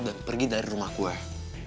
dan pergi dari rumah gue